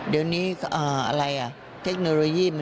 เดี๋ยวนี้อะไรครับเทคโนโลยีมันเยอะ